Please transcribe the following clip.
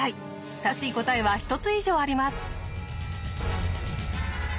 正しい答えは１つ以上あります」。